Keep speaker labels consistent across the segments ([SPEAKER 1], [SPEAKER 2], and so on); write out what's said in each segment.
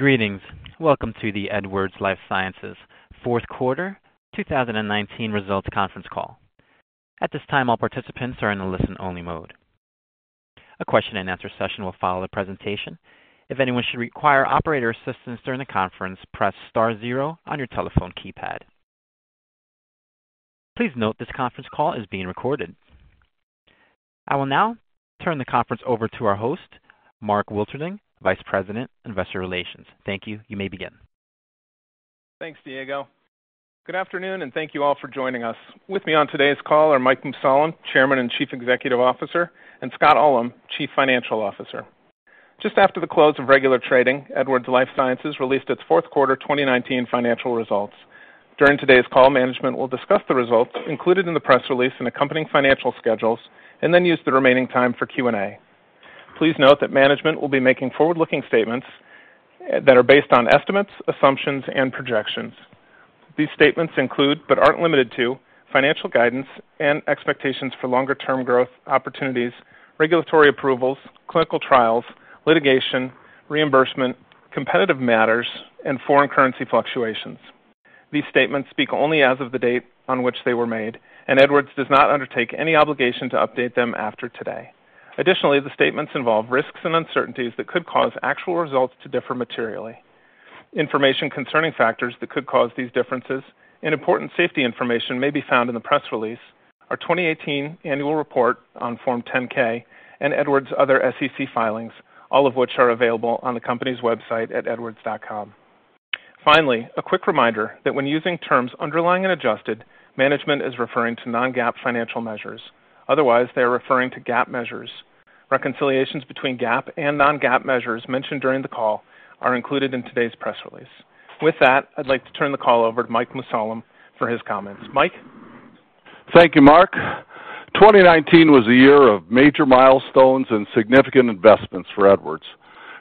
[SPEAKER 1] Greetings. Welcome to the Edwards Lifesciences fourth quarter 2019 results conference call. At this time, all participants are in a listen-only mode. A question and answer session will follow the presentation. If anyone should require operator assistance during the conference, press star zero on your telephone keypad. Please note this conference call is being recorded. I will now turn the conference over to our host, Mark Wilterding, Vice President, Investor Relations. Thank you. You may begin.
[SPEAKER 2] Thanks, Diego. Good afternoon, and thank you all for joining us. With me on today's call are Mike Mussallem, Chairman and Chief Executive Officer, and Scott Ullem, Chief Financial Officer. Just after the close of regular trading, Edwards Lifesciences released its fourth quarter 2019 financial results. During today's call, management will discuss the results included in the press release and accompanying financial schedules and then use the remaining time for Q&A. Please note that management will be making forward-looking statements that are based on estimates, assumptions, and projections. These statements include, but aren't limited to, financial guidance and expectations for longer-term growth opportunities, regulatory approvals, clinical trials, litigation, reimbursement, competitive matters, and foreign currency fluctuations. These statements speak only as of the date on which they were made; Edwards does not undertake any obligation to update them after today. Additionally, the statements involve risks and uncertainties that could cause actual results to differ materially. Information concerning factors that could cause these differences and important safety information may be found in the press release, our 2018 annual report on Form 10-K, and Edwards' other SEC filings, all of which are available on the company's website at edwards.com. A quick reminder that when using the terms "underlying" and "adjusted," management is referring to non-GAAP financial measures. Otherwise, they are referring to GAAP measures. Reconciliations between GAAP and non-GAAP measures mentioned during the call are included in today's press release. I'd like to turn the call over to Mike Mussallem for his comments. Mike?
[SPEAKER 3] Thank you, Mark. 2019 was a year of major milestones and significant investments for Edwards.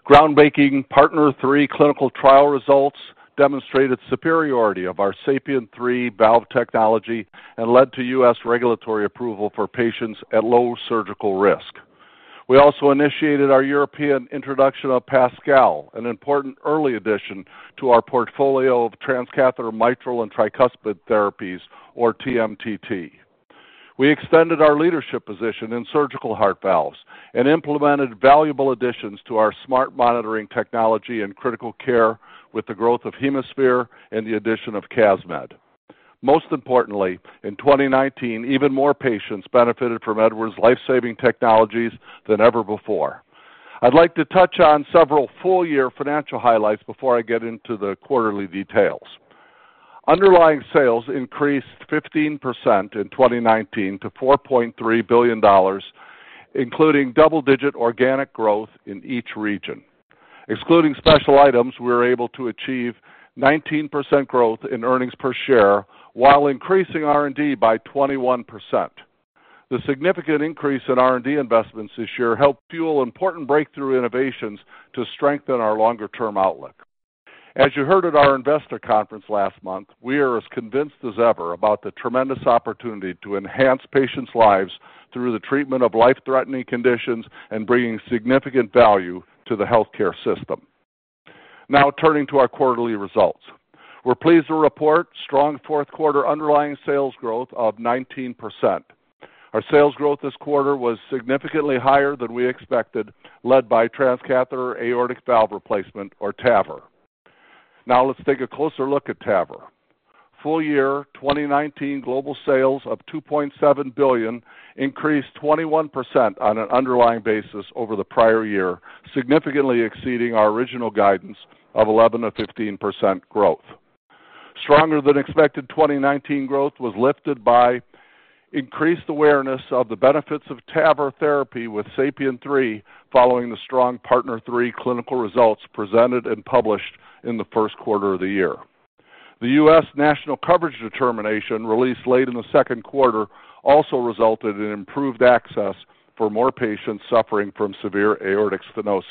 [SPEAKER 3] Groundbreaking PARTNER 3 clinical trial results demonstrated the superiority of our SAPIEN 3 valve technology and led to U.S. regulatory approval for patients at low surgical risk. We also initiated our European introduction of PASCAL, an important early addition to our portfolio of transcatheter mitral and tricuspid therapies, or TMTT. We extended our leadership position in surgical heart valves and implemented valuable additions to our smart monitoring technology and critical care with the growth of HemoSphere and the addition of CASMed. Most importantly, in 2019, even more patients benefited from Edwards' life-saving technologies than ever before. I'd like to touch on several full-year financial highlights before I get into the quarterly details. Underlying sales increased 15% in 2019 to $4.3 billion, including double-digit organic growth in each region. Excluding special items, we were able to achieve 19% growth in earnings per share while increasing R&D by 21%. The significant increase in R&D investments this year helped fuel important breakthrough innovations to strengthen our longer-term outlook. As you heard at our investor conference last month, we are as convinced as ever about the tremendous opportunity to enhance patients' lives through the treatment of life-threatening conditions and bringing significant value to the healthcare system. Turning to our quarterly results. We're pleased to report strong fourth quarter underlying sales growth of 19%. Our sales growth this quarter was significantly higher than we expected, led by transcatheter aortic valve replacement or TAVR. Let's take a closer look at TAVR. Full year 2019 global sales of $2.7 billion increased 21% on an underlying basis over the prior year, significantly exceeding our original guidance of 11%-15% growth. Stronger than expected 2019 growth was lifted by increased awareness of the benefits of TAVR therapy with SAPIEN 3 following the strong PARTNER 3 clinical results presented and published in the first quarter of the year. The U.S. national coverage determination released late in the second quarter also resulted in improved access for more patients suffering from severe aortic stenosis.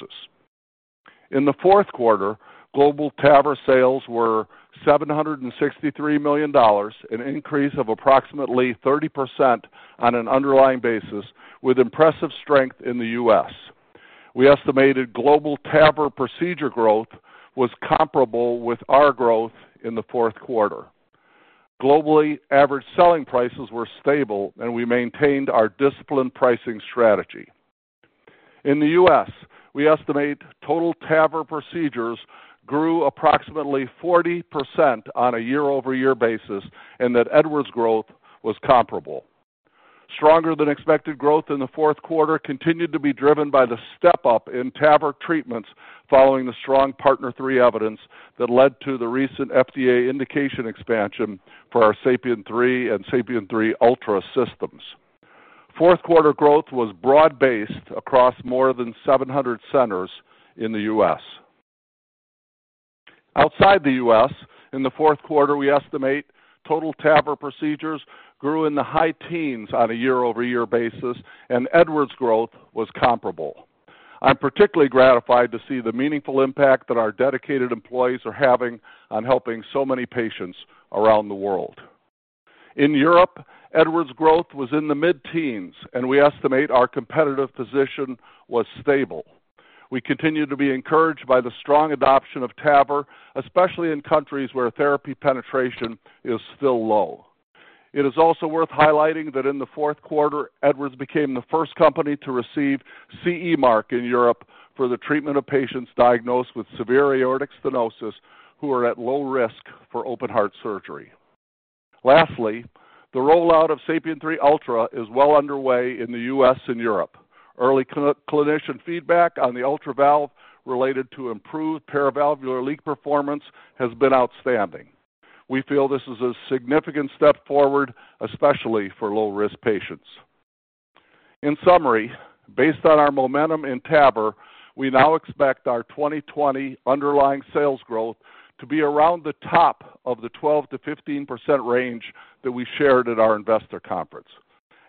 [SPEAKER 3] In the fourth quarter, global TAVR sales were $763 million, an increase of approximately 30% on an underlying basis with impressive strength in the U.S. We estimated global TAVR procedure growth was comparable with our growth in the fourth quarter. Globally, average selling prices were stable, and we maintained our disciplined pricing strategy. In the U.S., we estimate total TAVR procedures grew approximately 40% on a year-over-year basis, and that Edwards' growth was comparable. Stronger than expected growth in the fourth quarter continued to be driven by the step up in TAVR treatments following the strong PARTNER 3 evidence that led to the recent FDA indication expansion for our SAPIEN 3 and SAPIEN 3 Ultra systems. Fourth quarter growth was broad-based across more than 700 centers in the U.S. Outside the U.S., in the fourth quarter, we estimate total TAVR procedures grew in the high teens on a year-over-year basis. Edwards growth was comparable. I'm particularly gratified to see the meaningful impact that our dedicated employees are having on helping so many patients around the world. In Europe, Edwards' growth was in the mid-teens. We estimate our competitive position was stable. We continue to be encouraged by the strong adoption of TAVR, especially in countries where therapy penetration is still low. It is also worth highlighting that in the fourth quarter, Edwards became the first company to receive a CE mark in Europe for the treatment of patients diagnosed with severe aortic stenosis who are at low risk for open heart surgery. Lastly, the rollout of SAPIEN 3 Ultra is well underway in the U.S. and Europe. Early clinician feedback on the Ultra valve related to improved paravalvular leak performance has been outstanding. We feel this is a significant step forward, especially for low-risk patients. In summary, based on our momentum in TAVR, we now expect our 2020 underlying sales growth to be around the top of the 12%-15% range that we shared at our investor conference.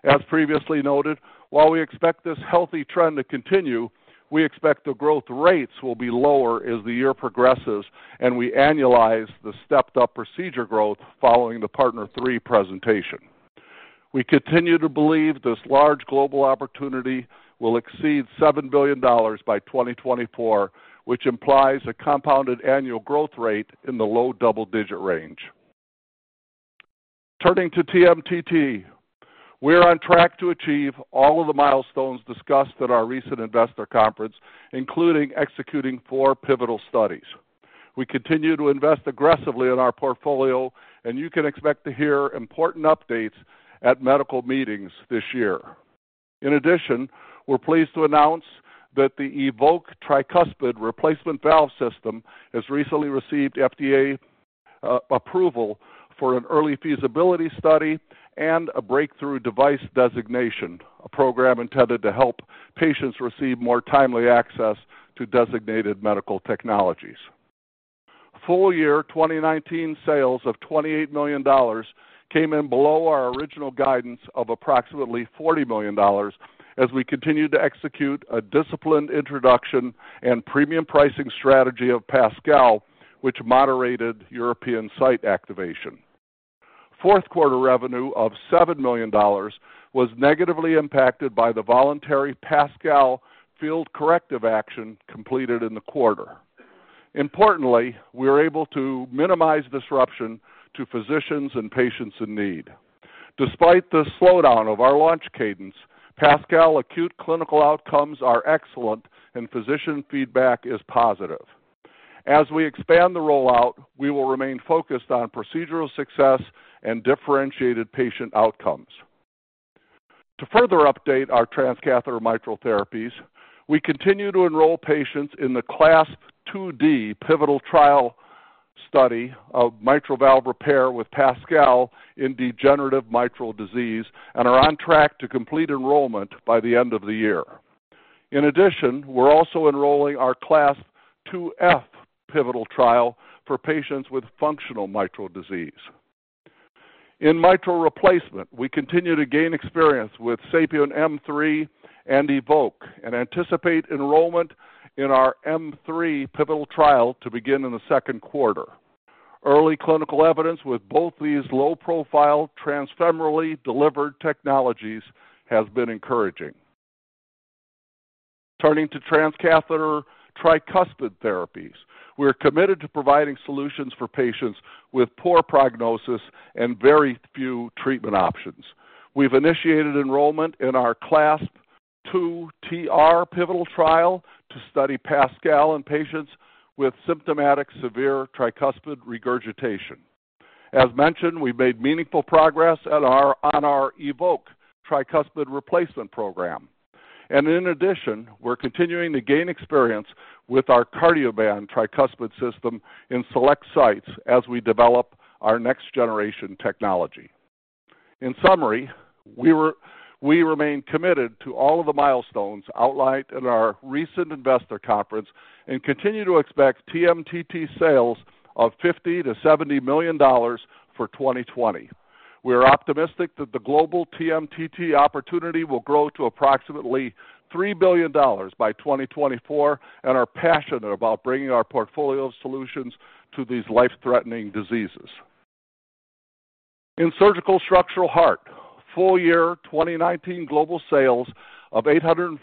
[SPEAKER 3] As previously noted, while we expect this healthy trend to continue, we expect the growth rates will be lower as the year progresses and we annualize the stepped-up procedure growth following the PARTNER 3 presentation. We continue to believe this large global opportunity will exceed $7 billion by 2024, which implies a compounded annual growth rate in the low double-digit range. Turning to TMTT. We are on track to achieve all of the milestones discussed at our recent investor conference, including executing four pivotal studies. We continue to invest aggressively in our portfolio, and you can expect to hear important updates at medical meetings this year. In addition, we're pleased to announce that the EVOQUE tricuspid replacement valve system has recently received FDA approval for an early feasibility study and a Breakthrough Device Designation, a program intended to help patients receive more timely access to designated medical technologies. Full-year 2019 sales of $28 million came in below our original guidance of approximately $40 million as we continued to execute a disciplined introduction and premium pricing strategy of PASCAL, which moderated European site activation. Fourth-quarter revenue of $7 million was negatively impacted by the voluntary PASCAL field corrective action completed in the quarter. Importantly, we were able to minimize disruption to physicians and patients in need. Despite the slowdown of our launch cadence, PASCAL acute clinical outcomes are excellent, and physician feedback is positive. As we expand the rollout, we will remain focused on procedural success and differentiated patient outcomes. To further update our transcatheter mitral therapies, we continue to enroll patients in the CLASP IID pivotal trial study of mitral valve repair with PASCAL in degenerative mitral regurgitation and are on track to complete enrollment by the end of the year. We're also enrolling our CLASP IIF pivotal trial for patients with functional mitral disease. In mitral replacement, we continue to gain experience with SAPIEN M3 and EVOQUE and anticipate enrollment in our M3 pivotal trial to begin in the second quarter. Early clinical evidence with both these low-profile, transfemorally delivered technologies has been encouraging. Turning to transcatheter tricuspid therapies. We're committed to providing solutions for patients with poor prognosis and very few treatment options. We've initiated enrollment in our CLASP II TR pivotal trial to study PASCAL in patients with symptomatic severe tricuspid regurgitation. As mentioned, we've made meaningful progress on our EVOQUE tricuspid replacement program. In addition, we're continuing to gain experience with our Cardioband tricuspid system in select sites as we develop our next-generation technology. In summary, we remain committed to all of the milestones outlined at our recent investor conference and continue to expect TMTT sales of $50-$70 million for 2020. We are optimistic that the global TMTT opportunity will grow to approximately $3 billion by 2024 and are passionate about bringing our portfolio of solutions to these life-threatening diseases. In surgical structural heart, full-year 2019 global sales of $842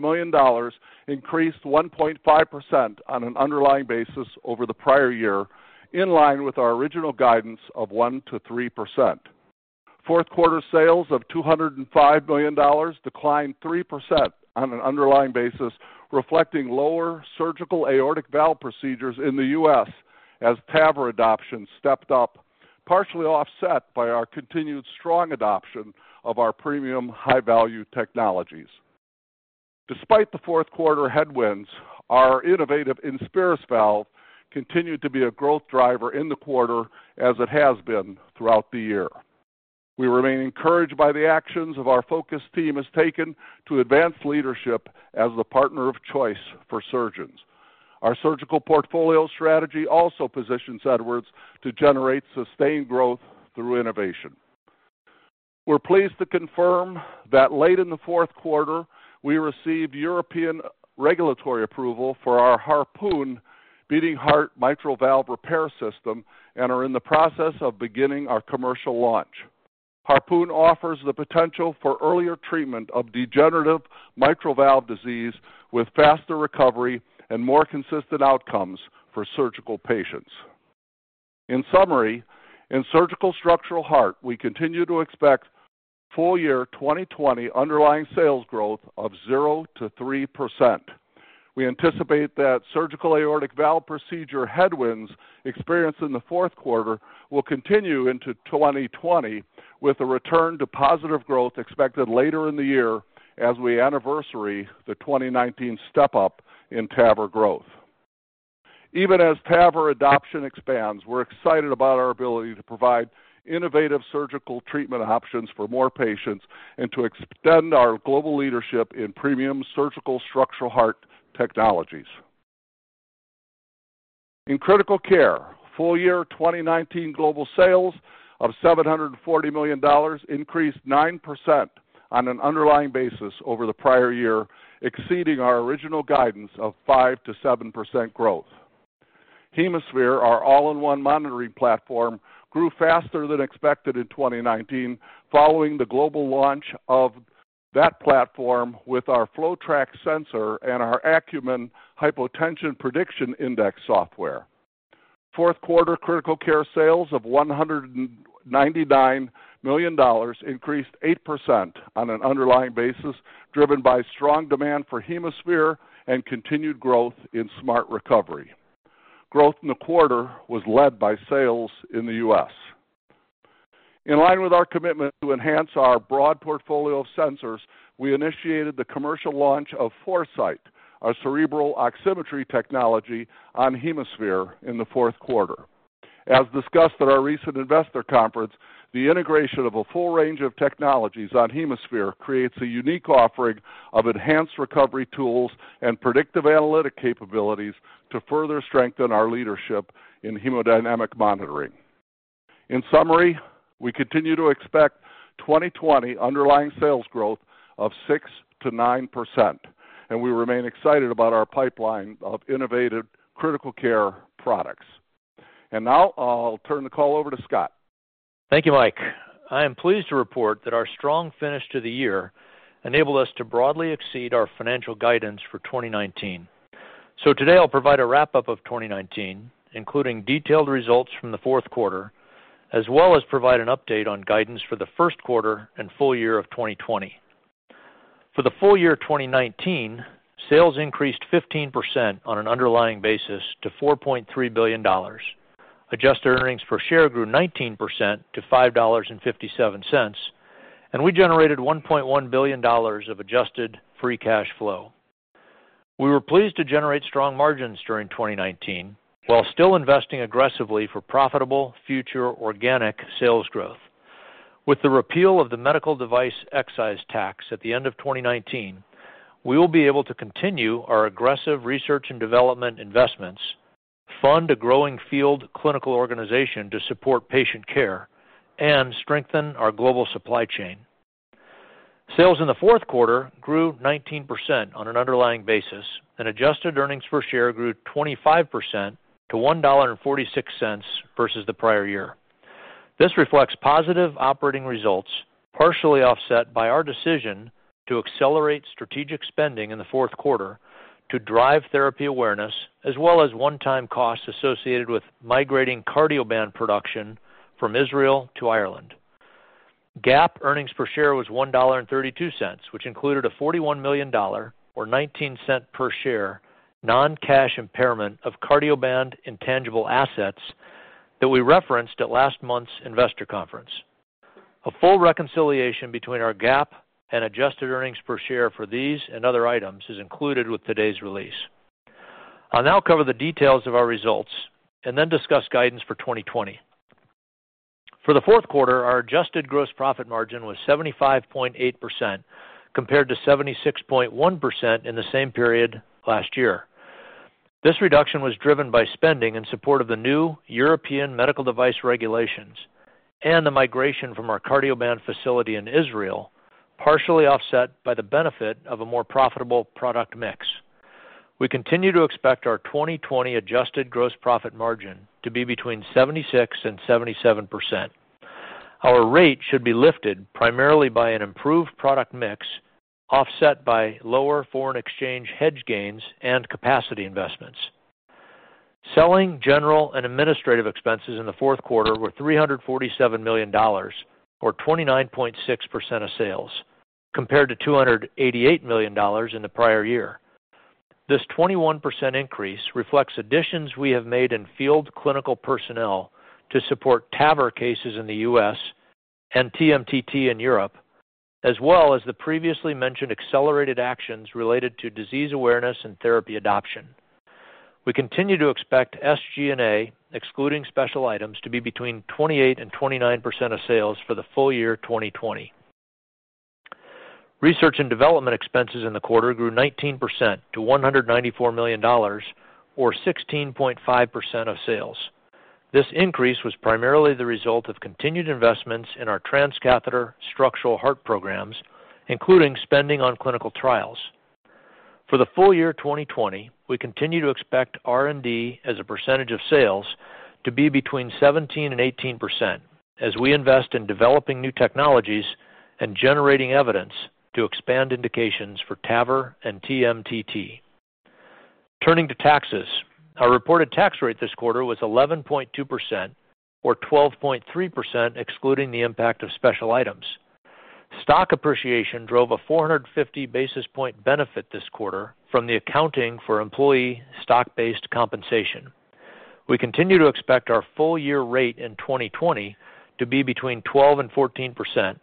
[SPEAKER 3] million increased 1.5% on an underlying basis over the prior year, in line with our original guidance of 1%-3%. Fourth-quarter sales of $205 million declined 3% on an underlying basis, reflecting lower surgical aortic valve procedures in the U.S. as TAVR adoption stepped up, partially offset by our continued strong adoption of our premium high-value technologies. Despite the fourth-quarter headwinds, our innovative INSPIRIS valve continued to be a growth driver in the quarter as it has been throughout the year. We remain encouraged by the actions our focused team has taken to advance leadership as the partner of choice for surgeons. Our surgical portfolio strategy also positions Edwards to generate sustained growth through innovation. We're pleased to confirm that late in the fourth quarter, we received European regulatory approval for our Harpoon beating-heart mitral valve repair system and are in the process of beginning our commercial launch. Harpoon offers the potential for earlier treatment of degenerative mitral valve disease with faster recovery and more consistent outcomes for surgical patients. In summary, in surgical structural heart, we continue to expect full-year 2020 underlying sales growth of 0%-3%. We anticipate that surgical aortic valve procedure headwinds experienced in the fourth quarter will continue into 2020 with a return to positive growth expected later in the year as we anniversary the 2019 step-up in TAVR growth. Even as TAVR adoption expands, we're excited about our ability to provide innovative surgical treatment options for more patients and to extend our global leadership in premium surgical structural heart technologies. In critical care, full-year 2019 global sales of $740 million increased 9% on an underlying basis over the prior year, exceeding our original guidance of 5%-7% growth. HemoSphere, our all-in-one monitoring platform, grew faster than expected in 2019 following the global launch of that platform with our FloTrac sensor and our Acumen Hypotension Prediction Index software. Fourth quarter critical care sales of $199 million increased 8% on an underlying basis, driven by strong demand for HemoSphere and continued growth in SMART Recovery. Growth in the quarter was led by sales in the U.S. In line with our commitment to enhance our broad portfolio of sensors, we initiated the commercial launch of ForeSight, our cerebral oximetry technology, on HemoSphere in the fourth quarter. As discussed at our recent investor conference, the integration of a full range of technologies on HemoSphere creates a unique offering of enhanced recovery tools and predictive analytic capabilities to further strengthen our leadership in hemodynamic monitoring. In summary, we continue to expect 2020 underlying sales growth of 6%-9%, and we remain excited about our pipeline of innovative critical care products. Now I'll turn the call over to Scott.
[SPEAKER 4] Thank you, Mike. I am pleased to report that our strong finish to the year enabled us to broadly exceed our financial guidance for 2019. Today I'll provide a wrap-up of 2019, including detailed results from the fourth quarter, as well as provide an update on guidance for the first quarter and full year of 2020. For the full year of 2019, sales increased 15% on an underlying basis to $4.3 billion. Adjusted earnings per share grew 19% to $5.57, and we generated $1.1 billion of adjusted free cash flow. We were pleased to generate strong margins during 2019 while still investing aggressively for profitable future organic sales growth. With the repeal of the medical device excise tax at the end of 2019, we will be able to continue our aggressive research and development investments, fund a growing clinical field organization to support patient care, and strengthen our global supply chain. Sales in the fourth quarter grew 19% on an underlying basis, and adjusted earnings per share grew 25% to $1.46 versus the prior year. This reflects positive operating results, partially offset by our decision to accelerate strategic spending in the fourth quarter to drive therapy awareness, as well as one-time costs associated with migrating Cardioband production from Israel to Ireland. GAAP earnings per share was $1.32, which included a $41 million, or $0.19 per share, non-cash impairment of Cardioband intangible assets that we referenced at last month's investor conference. A full reconciliation between our GAAP and adjusted earnings per share for these and other items is included with today's release. I'll now cover the details of our results and then discuss guidance for 2020. For the fourth quarter, our adjusted gross profit margin was 75.8%, compared to 76.1% in the same period last year. This reduction was driven by spending in support of the new European Medical Device Regulations and the migration from our Cardioband facility in Israel, partially offset by the benefit of a more profitable product mix. We continue to expect our 2020 adjusted gross profit margin to be between 76% and 77%. Our rate should be lifted primarily by an improved product mix, offset by lower foreign exchange hedge gains and capacity investments. Selling, general, and administrative expenses in the fourth quarter were $347 million, or 29.6% of sales, compared to $288 million in the prior year. This 21% increase reflects additions we have made in field clinical personnel to support TAVR cases in the U.S. and TMTT in Europe, as well as the previously mentioned accelerated actions related to disease awareness and therapy adoption. We continue to expect SG&A, excluding special items, to be between 28% and 29% of sales for the full year 2020. Research and development expenses in the quarter grew 19% to $194 million, or 16.5% of sales. This increase was primarily the result of continued investments in our transcatheter structural heart programs, including spending on clinical trials. For the full year 2020, we continue to expect R&D as a percentage of sales to be between 17% and 18% as we invest in developing new technologies and generating evidence to expand indications for TAVR and TMTT. Turning to taxes, our reported tax rate this quarter was 11.2%, or 12.3%, excluding the impact of special items. Stock appreciation drove a 450-basis-point benefit this quarter from the accounting for employee stock-based compensation. We continue to expect our full-year rate in 2020 to be between 12% and 14%,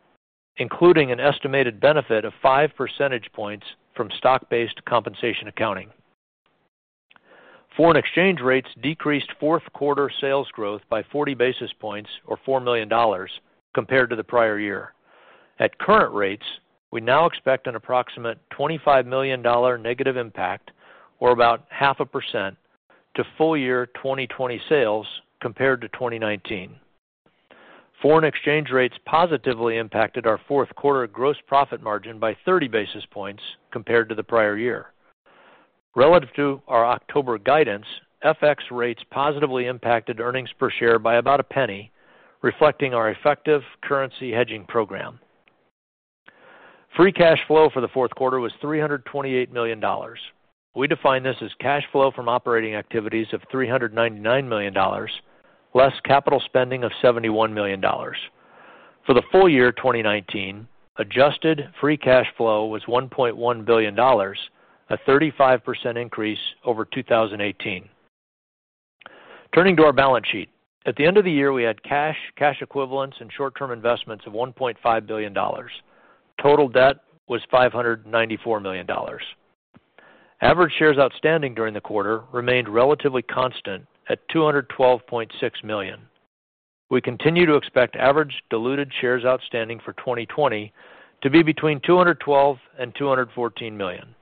[SPEAKER 4] including an estimated benefit of five percentage points from stock-based compensation accounting. Foreign exchange rates decreased fourth-quarter sales growth by 40 basis points, or $4 million, compared to the prior year. At current rates, we now expect an approximate $25 million negative impact, or about half a percent, to full-year 2020 sales compared to 2019. Foreign exchange rates positively impacted our fourth-quarter gross profit margin by 30 basis points compared to the prior year. Relative to our October guidance, FX rates positively impacted earnings per share by about $0.01, reflecting our effective currency hedging program. Free cash flow for the fourth quarter was $328 million. We define this as cash flow from operating activities of $399 million, less capital spending of $71 million. For the full year 2019, adjusted free cash flow was $1.1 billion, a 35% increase over 2018. Turning to our balance sheet. At the end of the year, we had cash equivalents and short-term investments of $1.5 billion. Total debt was $594 million. Average shares outstanding during the quarter remained relatively constant at 212.6 million. We continue to expect average diluted shares outstanding for 2020 to be between 212 and 214 million.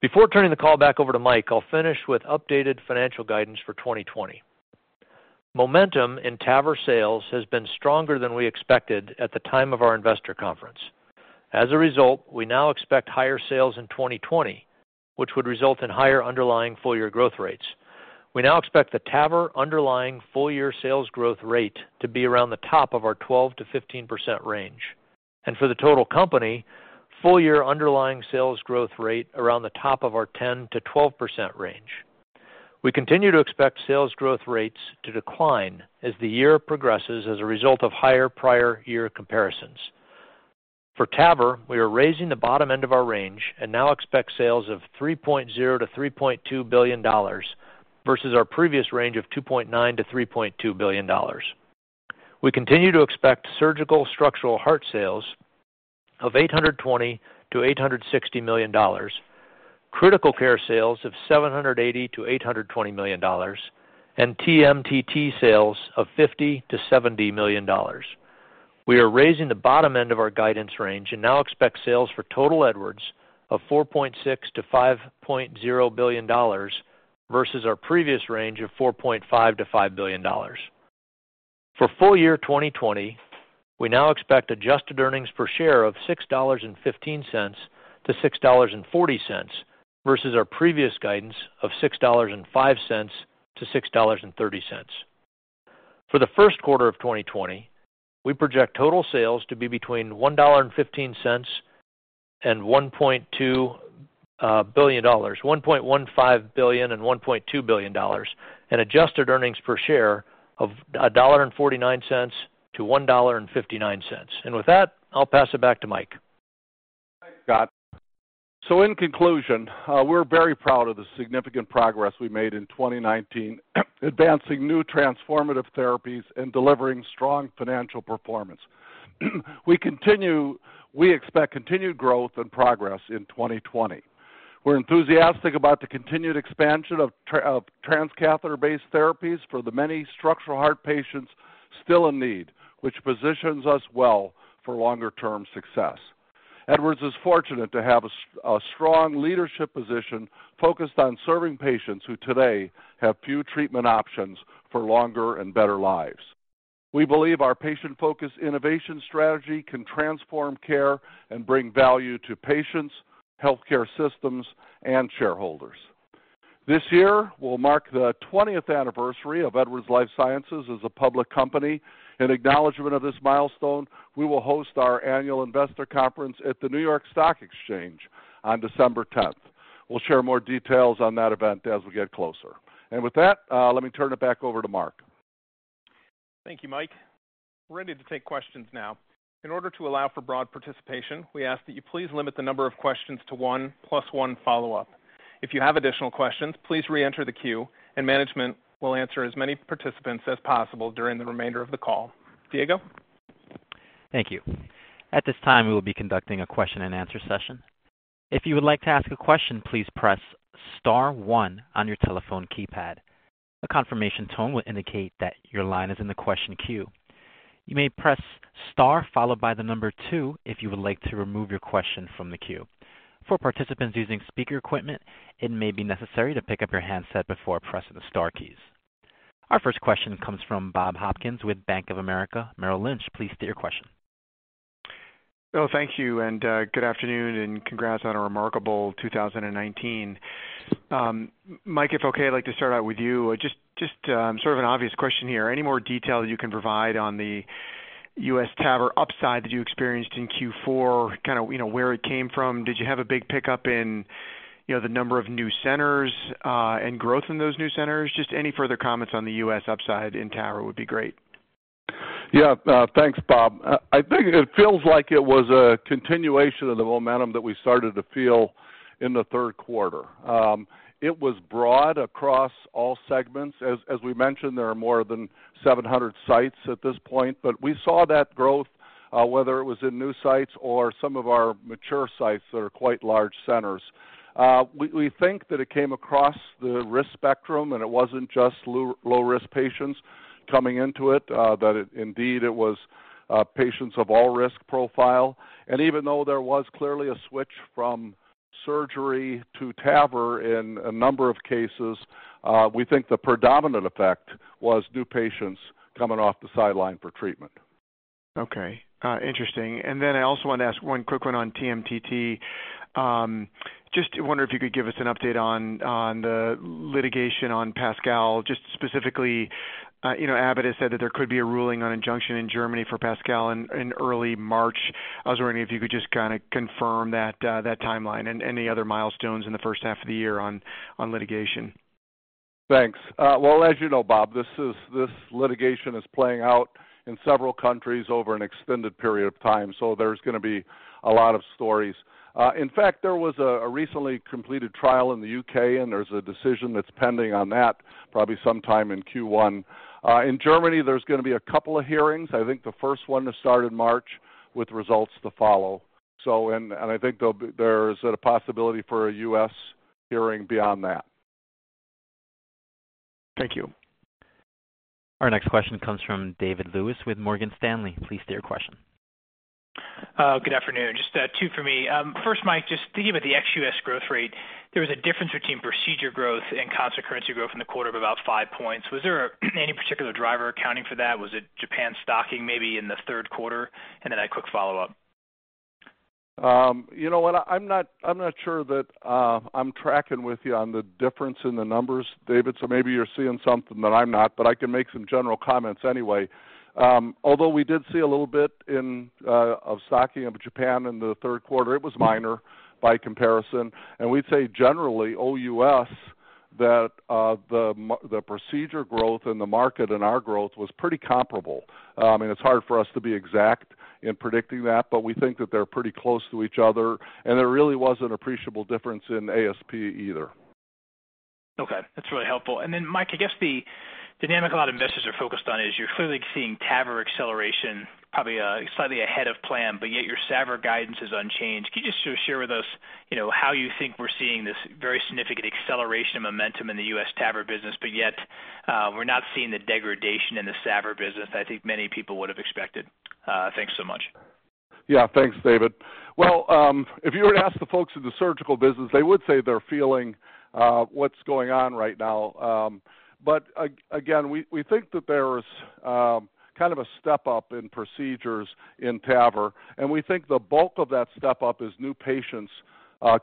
[SPEAKER 4] Before turning the call back over to Mike, I'll finish with updated financial guidance for 2020. Momentum in TAVR sales has been stronger than we expected at the time of our investor conference. As a result, we now expect higher sales in 2020, which would result in higher underlying full-year growth rates. We now expect the TAVR underlying full-year sales growth rate to be around the top of our 12%-15% range. For the total company, full-year underlying sales growth rate around the top of our 10%-12% range. We continue to expect sales growth rates to decline as the year progresses as a result of higher prior year comparisons. For TAVR, we are raising the bottom end of our range and now expect sales of $3.0 billion-$3.2 billion versus our previous range of $2.9 billion-$3.2 billion. We continue to expect surgical structural heart sales of $820 million-$860 million, critical care sales of $780 million-$820 million, and TMTT sales of $50 million-$70 million. We are raising the bottom end of our guidance range and now expect sales for Edwards in total of $4.6 billion-$5.0 billion versus our previous range of $4.5 billion-$5.0 billion. For the full year 2020, we now expect adjusted earnings per share of $6.15-$6.40 versus our previous guidance of $6.05-$6.30. For the first quarter of 2020, we project total sales to be between $1.15 billion and $1.2 billion and adjusted earnings per share of $1.49-$1.59. With that, I'll pass it back to Mike.
[SPEAKER 3] Thanks, Scott. In conclusion, we're very proud of the significant progress we made in 2019 advancing new transformative therapies and delivering strong financial performance. We expect continued growth and progress in 2020. We're enthusiastic about the continued expansion of transcatheter-based therapies for the many structural heart patients still in need, which positions us well for longer-term success. Edwards is fortunate to have a strong leadership position focused on serving patients who today have few treatment options for longer and better lives. We believe our patient-focused innovation strategy can transform care and bring value to patients, healthcare systems, and shareholders. This year will mark the 20th anniversary of Edwards Lifesciences as a public company. In acknowledgment of this milestone, we will host our annual investor conference at the New York Stock Exchange on December 10th. We'll share more details on that event as we get closer. With that, let me turn it back over to Mark.
[SPEAKER 2] Thank you, Mike. We're ready to take questions now. In order to allow for broad participation, we ask that you please limit the number of questions to one, plus one follow-up. If you have additional questions, please reenter the queue, and management will answer as many participants as possible during the remainder of the call. Diego?
[SPEAKER 1] Thank you. At this time, we will be conducting a question-and-answer session. If you would like to ask a question, please press star one on your telephone keypad. A confirmation tone will indicate that your line is in the question queue. You may press star followed by the number two if you would like to remove your question from the queue. For participants using speaker equipment, it may be necessary to pick up your handset before pressing the star keys. Our first question comes from Bob Hopkins with Bank of America Merrill Lynch. Please state your question.
[SPEAKER 5] Thank you. Good afternoon. Congrats on a remarkable 2019. Mike, if okay, I'd like to start out with you. Just sort of an obvious question here. Any more detail that you can provide on the U.S. TAVR upside that you experienced in Q4, kind of where did it come from? Did you have a big pickup in the number of new centers and growth in those new centers? Just any further comments on the U.S. upside in TAVR would be great.
[SPEAKER 3] Yeah. Thanks, Bob. I think it feels like it was a continuation of the momentum that we started to feel in the third quarter. It was broad across all segments. As we mentioned, there are more than 700 sites at this point, but we saw that growth, whether it was in new sites or some of our mature sites that are quite large centers. We think that it came across the risk spectrum, and it wasn't just low-risk patients coming into it; indeed, it was patients of all risk profiles. Even though there was clearly a switch from surgery to TAVR in a number of cases, we think the predominant effect was new patients coming off the sideline for treatment.
[SPEAKER 5] Okay. Interesting. I also want to ask one quick one about TMTT. Just wonder if you could give us an update on the litigation on PASCAL; just specifically, Abbott has said that there could be a ruling on an injunction in Germany for PASCAL in early March. I was wondering if you could just kind of confirm that timeline and any other milestones in the first half of the year for litigation.
[SPEAKER 3] Thanks. Well, as you know, Bob, this litigation is playing out in several countries over an extended period of time, so there's going to be a lot of stories. In fact, there was a recently completed trial in the U.K., and there's a decision that's pending on that, probably sometime in Q1. In Germany, there are going to be a couple of hearings. I think the first one will start in March with results to follow. And I think there's a possibility for a U.S. hearing beyond that.
[SPEAKER 5] Thank you.
[SPEAKER 1] Our next question comes from David Lewis with Morgan Stanley. Please state your question.
[SPEAKER 6] Good afternoon. Just two for me. First, Mike, just thinking about the ex-U.S. growth rate, there was a difference between procedure growth and constant currency growth in the quarter of about five points. Was there any particular driver accounting for that? Was it Japan's stocking maybe in the third quarter? A quick follow-up.
[SPEAKER 3] You know what? I'm not sure that I'm tracking with you on the difference in the numbers, David, so maybe you're seeing something that I'm not, but I can make some general comments anyway. Although we did see a little bit of stocking of Japan in the third quarter, it was minor by comparison, and we'd say generally, OUS, that the procedure growth in the market and our growth were pretty comparable. I mean, it's hard for us to be exact in predicting that, but we think that they're pretty close to each other, and there really was an appreciable difference in ASP either.
[SPEAKER 6] Okay. That's really helpful. Mike, I guess the dynamic a lot of investors are focused on is you're clearly seeing TAVR acceleration probably slightly ahead of plan, but your SAVR guidance is unchanged. Can you just share with us how you think we're seeing this very significant acceleration of momentum in the U.S. TAVR business, but yet, we're not seeing the degradation in the SAVR business I think many people would have expected. Thanks so much.
[SPEAKER 3] Thanks, David. If you were to ask the folks in the surgical business, they would say they're feeling what's going on right now. Again, we think that there's kind of a step up in procedures in TAVR, and we think the bulk of that step up is new patients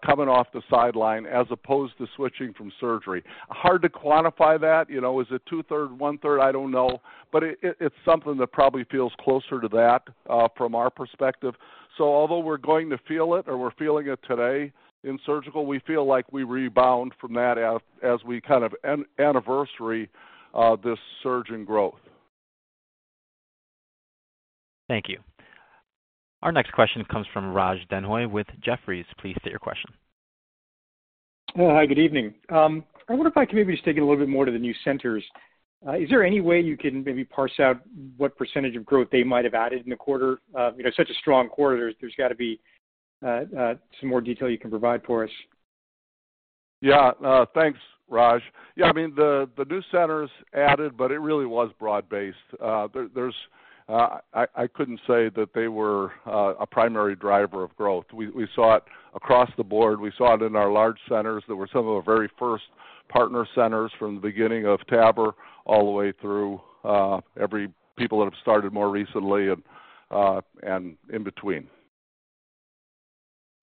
[SPEAKER 3] coming off the sideline as opposed to switching from surgery. Hard to quantify that. Is it two-thirds, one-third? I don't know. It's something that probably feels closer to that from our perspective. Although we're going to feel it, or we're feeling it today in surgery, we feel like we rebound from that as we kind of anniversary this surge in growth.
[SPEAKER 1] Thank you. Our next question comes from Raj Denhoy with Jefferies. Please state your question.
[SPEAKER 7] Hi, good evening. I wonder if I can maybe just dig in a little bit more to the new centers. Is there any way you can maybe parse out what percentage of growth they might have added in the quarter? Such a strong quarter, there's got to be some more detail you can provide for us.
[SPEAKER 3] Thanks, Raj. I mean, the new centers added, but it really was broad-based. I couldn't say that they were a primary driver of growth. We saw it across the board. We saw it in our large centers that were some of the very first partner centers from the beginning of TAVR all the way through every person that has started more recently and in between.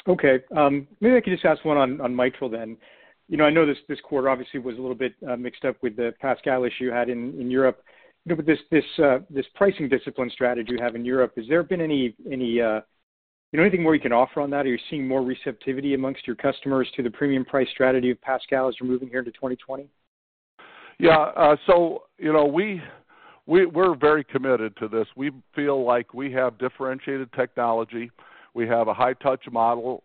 [SPEAKER 7] Okay. Maybe I can just ask one on mitral then. I know this quarter obviously was a little bit mixed up with the PASCAL issue you had in Europe. With this pricing discipline strategy you have in Europe, has there been anything more you can offer on that? Are you seeing more receptivity amongst your customers to the premium price strategy of PASCAL as you're moving here into 2020?
[SPEAKER 3] Yeah. We're very committed to this. We feel like we have differentiated technology, we have a high-touch model,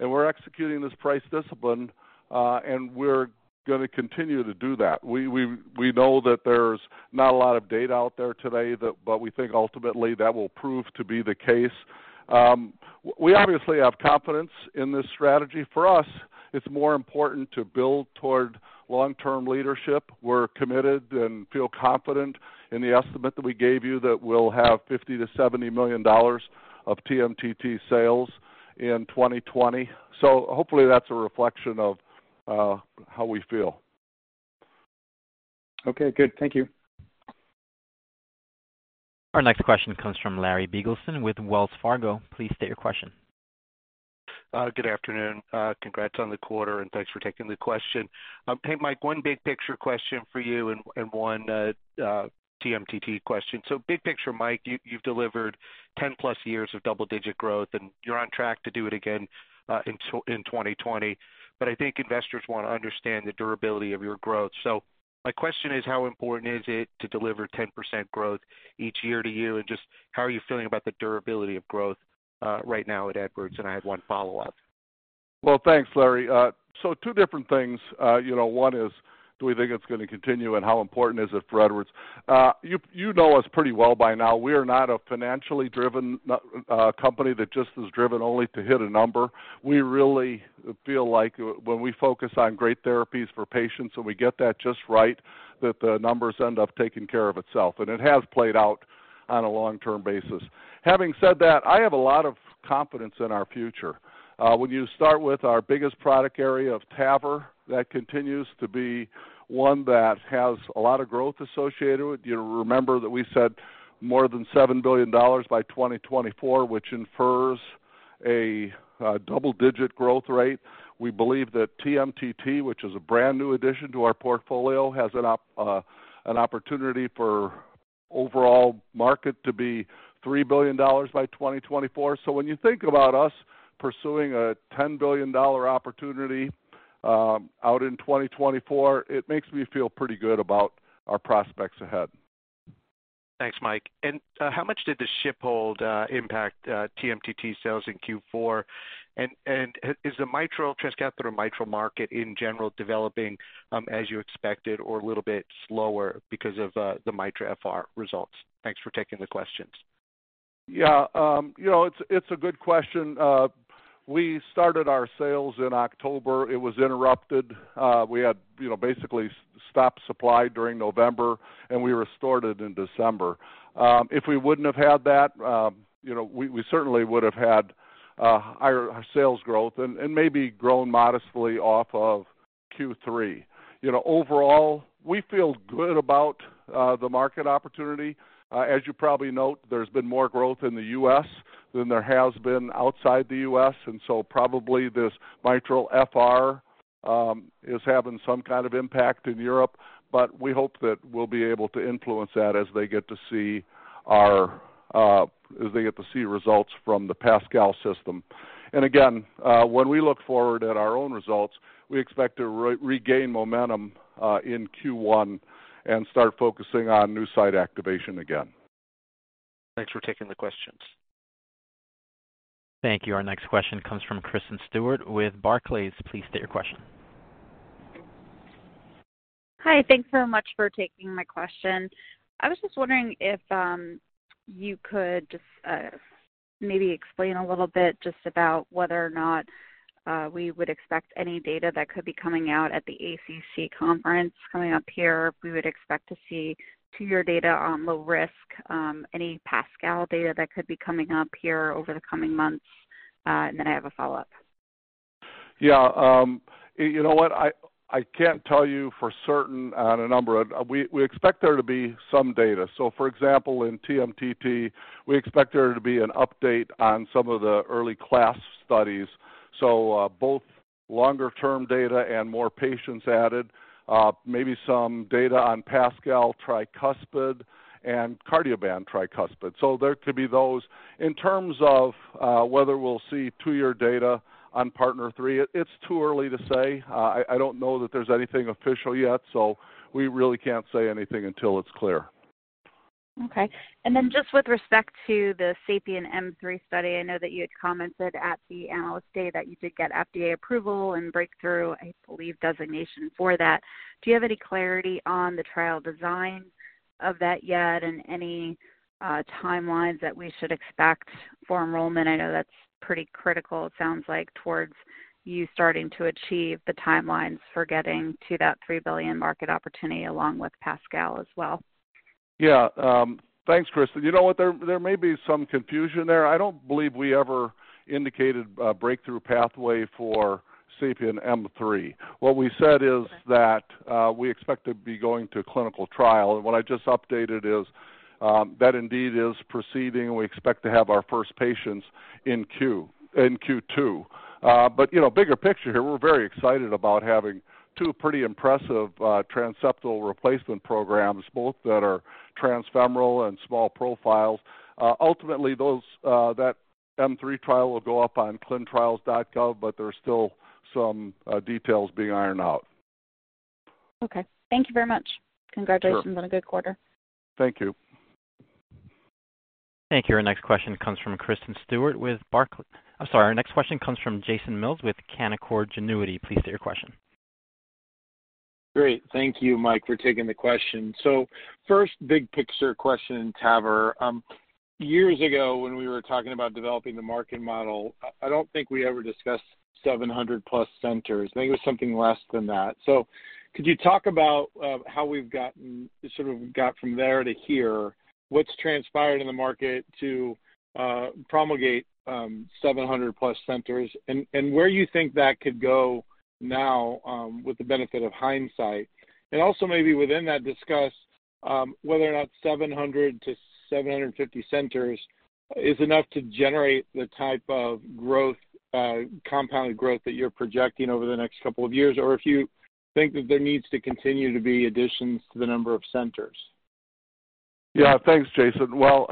[SPEAKER 3] and we're executing this price discipline, and we're going to continue to do that. We know that there's not a lot of data out there today, but we think ultimately that will prove to be the case. We obviously have confidence in this strategy. For us, it's more important to build toward long-term leadership. We're committed and feel confident in the estimate that we gave you: that we'll have $50 million-$70 million of TMTT sales in 2020. Hopefully, that's a reflection of how we feel.
[SPEAKER 7] Okay, good. Thank you.
[SPEAKER 1] Our next question comes from Larry Biegelsen with Wells Fargo. Please state your question.
[SPEAKER 8] Good afternoon. Congrats on the quarter, and thanks for taking the question. Hey, Mike, one big-picture question for you and one TMTT question. Big picture, Mike, you've delivered 10+ years of double-digit growth, and you're on track to do it again in 2020. I think investors want to understand the durability of your growth. My question is, how important is it to deliver 10% growth year to year? Just how are you feeling about the durability of growth right now at Edwards? I have one follow-up.
[SPEAKER 3] Well, thanks, Larry. Two different things. One is, do we think it's going to continue, and how important is it for Edwards? You know us pretty well by now. We are not a financially driven company that is just driven only to hit a number. We really feel like when we focus on great therapies for patients and we get that just right, the numbers end up taking care of themselves, and it has played out on a long-term basis. Having said that, I have a lot of confidence in our future. When you start with our biggest product area of TAVR, that continues to be one that has a lot of growth associated with. You remember that we said more than $7 billion by 2024, which infers a double-digit growth rate. We believe that TMTT, which is a brand-new addition to our portfolio, has an opportunity for the overall market to be $3 billion by 2024. When you think about us pursuing a $10 billion opportunity out there in 2024, it makes me feel pretty good about our prospects ahead.
[SPEAKER 8] Thanks, Mike. How much did the ship hold impact TMTT sales in Q4? Is the transcatheter mitral market in general developing as you expected or a little bit slower because of the MITRA-FR results? Thanks for taking the questions.
[SPEAKER 3] Yeah. It's a good question. We started our sales in October. It was interrupted. We had basically stopped supply during November, and we restored it in December. If we hadn't have had that, we certainly would have had higher sales growth and maybe grown modestly off of Q3. Overall, we feel good about the market opportunity. As you probably note, there's been more growth in the U.S. than there has been outside the U.S. Probably this MITRA-FR is having some kind of impact in Europe, but we hope that we'll be able to influence that as they get to see results from the PASCAL system. Again, when we look forward at our own results, we expect to regain momentum in Q1 and start focusing on new site activation again.
[SPEAKER 8] Thanks for taking the questions.
[SPEAKER 1] Thank you. Our next question comes from Kristen Stewart with Barclays. Please state your question.
[SPEAKER 9] Hi. Thanks so much for taking my question. I was just wondering if you could just maybe explain a little bit just about whether or not we would expect any data that could be coming out at the ACC conference coming up here; we would expect to see two-year data on low risk, any PASCAL data that could be coming up here over the coming months. Then I have a follow-up.
[SPEAKER 3] Yeah. You know what? I can't tell you for certain a number. We expect there to be some data. For example, in TMTT, we expect there to be an update on some of the early class studies. Both longer-term data and more patients added. Maybe some data on PASCAL tricuspid and Cardioband tricuspid. There could be those. In terms of whether we'll see two-year data on PARTNER 3, it's too early to say. I don't know that there's anything official yet, so we really can't say anything until it's clear.
[SPEAKER 9] Okay. Just with respect to the SAPIEN M3 study, I know that you had commented at the Analyst Day that you did get FDA approval and breakthrough, I believe, designation for that. Do you have any clarity on the trial design of that yet and any timelines that we should expect for enrollment? I know that's pretty critical, it sounds like, towards you starting to achieve the timelines for getting to that $3 billion market opportunity along with PASCAL as well.
[SPEAKER 3] Thanks, Kristen. You know what? There may be some confusion there. I don't believe we ever indicated a breakthrough pathway for SAPIEN 3. What we said is that we expect to be going to clinical trial. What I just updated is that indeed is proceeding, and we expect to have our first patients in Q2. Bigger picture here, we're very excited about having two pretty impressive transseptal replacement programs, both that are transfemoral and small-profile. Ultimately, that third trial will go up on clinicaltrials.gov, but there are still some details being ironed out.
[SPEAKER 9] Okay. Thank you very much.
[SPEAKER 3] Sure.
[SPEAKER 9] Congratulations on a good quarter.
[SPEAKER 3] Thank you.
[SPEAKER 1] Thank you. Our next question comes from Jason Mills with Canaccord Genuity. Please state your question.
[SPEAKER 10] Great. Thank you, Mike, for taking the question. First big-picture question, TAVR. Years ago, when we were talking about developing the market model, I don't think we ever discussed 700 plus centers. I think it was something less than that. Could you talk about how we've gotten from there to here? What's transpired in the market to promulgate 700 plus centers, and where do you think that could go now with the benefit of hindsight? Also maybe within that, discuss whether or not 700-750 centers are enough to generate the type of compounded growth that you're projecting over the next couple of years, or if you think that there needs to continue to be additions to the number of centers.
[SPEAKER 3] Yeah. Thanks, Jason. Well,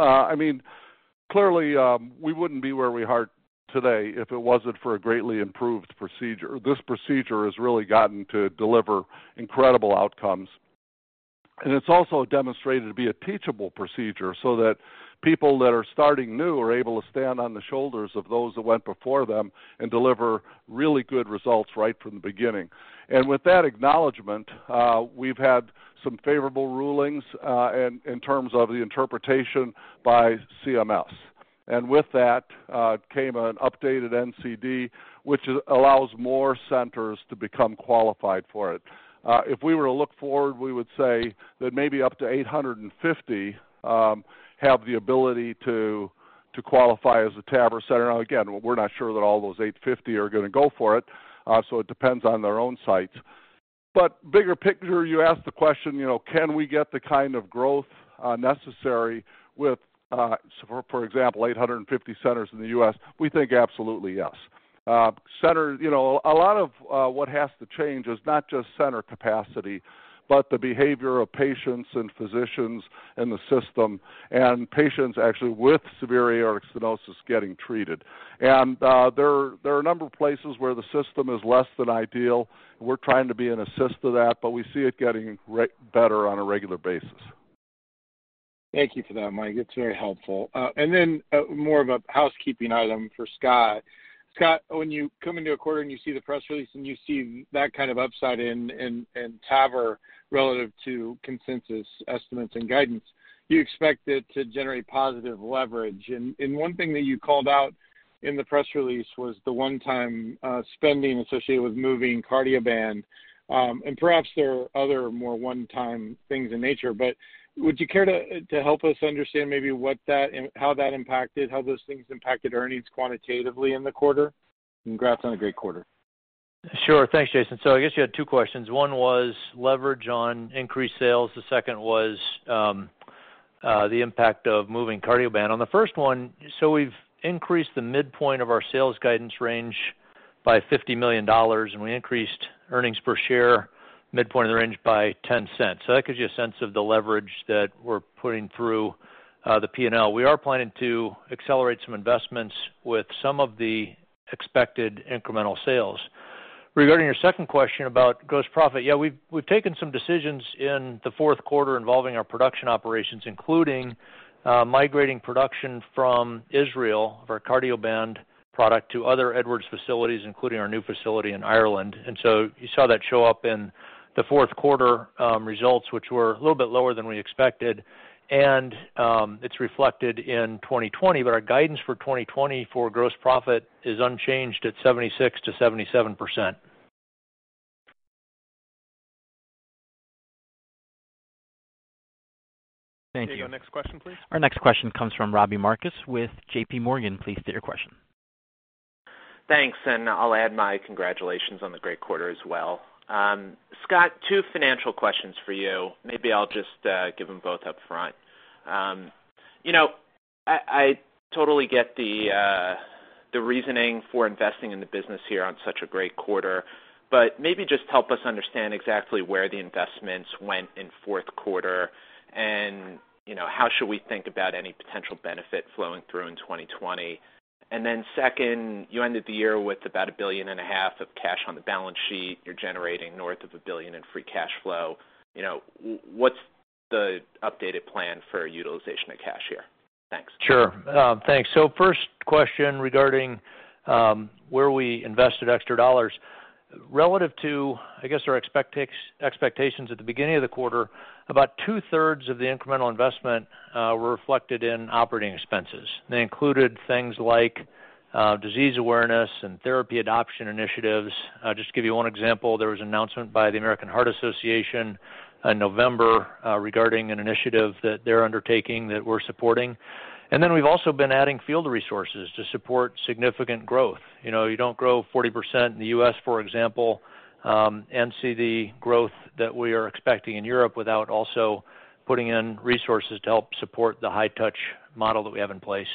[SPEAKER 3] clearly, we wouldn't be where we are today if it weren't for a greatly improved procedure. This procedure has really gotten to deliver incredible outcomes, and it's also demonstrated to be a teachable procedure so that people that are starting new are able to stand on the shoulders of those that went before them and deliver really good results right from the beginning. With that acknowledgement, we've had some favorable rulings in terms of the interpretation by CMS. With that came an updated NCD, which allows more centers to become qualified for it. If we were to look forward, we would say that maybe up to 850 have the ability to qualify as a TAVR center. Now, again, we're not sure that all those 850 are going to go for it, so it depends on their own sites. Bigger picture, you asked the question, can we get the kind of growth necessary with, for example, 850 centers in the U.S.? We think absolutely yes. A lot of what has to change is not just center capacity but also the behavior of patients and physicians in the system and patients actually with severe aortic stenosis getting treated. There are a number of places where the system is less than ideal. We're trying to be an assist to that, but we see it getting better on a regular basis.
[SPEAKER 10] Thank you for that, Mike. It's very helpful. Then more of a housekeeping item for Scott. Scott, when you come into a quarter and you see the press release and you see that kind of upside in TAVR relative to consensus estimates and guidance, you expect it to generate positive leverage. One thing that you called out in the press release was the one-time spending associated with moving the Cardioband. Perhaps there are other more one-time things in nature, would you care to help us understand maybe how those things impacted earnings quantitatively in the quarter? Congrats on a great quarter.
[SPEAKER 4] Sure. Thanks, Jason. I guess you had two questions. One was leverage on increased sales. The second was the impact of moving the Cardioband. On the first one, we've increased the midpoint of our sales guidance range by $50 million, and we increased the earnings per share midpoint of the range by $0.10. That gives you a sense of the leverage that we're putting through the P&L. We are planning to accelerate some investments with some of the expected incremental sales. Regarding your 2nd question about gross profit, yeah, we've taken some decisions in the 4th quarter involving our production operations, including migrating production from Israel of our Cardioband product to other Edwards facilities, including our new facility in Ireland. You saw that show up in the fourth quarter results, which were a little bit lower than we expected. It's reflected in 2020. Our guidance for 2020 for gross profit is unchanged at 76%-77%.
[SPEAKER 10] Thank you.
[SPEAKER 3] Okay, your next question, please.
[SPEAKER 1] Our next question comes from Robbie Marcus with JPMorgan. Please state your question.
[SPEAKER 11] Thanks, I'll add my congratulations on the great quarter as well. Scott, two financial questions for you. Maybe I'll just give them both up front. I totally get the reasoning for investing in the business here on such a great quarter, but maybe just help us understand exactly where the investments went in the fourth quarter and how we should think about any potential benefit flowing through in 2020. Second, you ended the year with about a billion and a half of cash on the balance sheet. You're generating north of $1 billion in free cash flow. What's the updated plan for utilization of cash here? Thanks.
[SPEAKER 4] Sure. Thanks. First question regarding where we invested extra dollars. Relative to, I guess, our expectations at the beginning of the quarter, about two-thirds of the incremental investment were reflected in operating expenses. They included things like disease awareness and therapy adoption initiatives. Just to give you one example, there was an announcement by the American Heart Association in November regarding an initiative that they're undertaking that we're supporting. We've also been adding field resources to support significant growth. You don't grow 40% in the U.S., for example, and see the growth that we are expecting in Europe without also putting in resources to help support the high-touch model that we have in place.